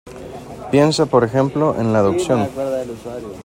Piensa, por ejemplo, en la adopción.